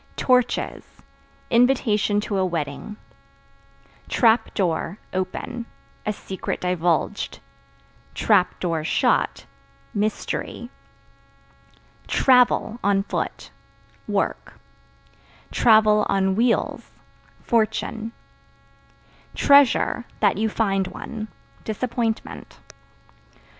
Torches Invitation to a wedding. Trap Door (Open) a secret divulged; (shut) mystery. Travel (On foot) work; (on wheels) fortune. Treasure (That you find one) disappointment.